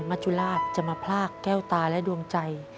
จุราชจะมาพลากแก้วตาและดวงใจ